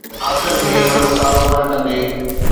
آخر ۾ وڏو ڪاروبار ڪندي